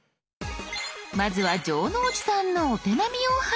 まずは城之内さんのお手並みを拝見。